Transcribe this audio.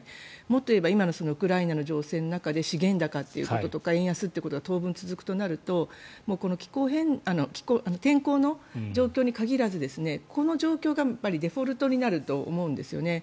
もっと言えば今のウクライナの情勢の中で資源高ということとか円安ということが当分続くということになると天候の状況に限らずこの状況がデフォルトになると思うんですね。